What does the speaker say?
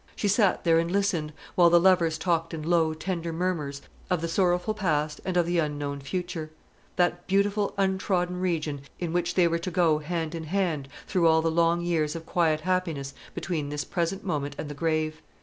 She sat there and listened, while the lovers talked in low tender murmurs of the sorrowful past and of the unknown future; that beautiful untrodden region, in which they were to go hand in hand through all the long years of quiet happiness between the present moment and the grave.